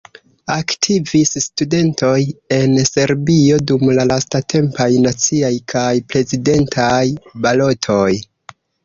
Aktivis studentoj en Serbio dum la lastatempaj naciaj kaj prezidentaj balotoj.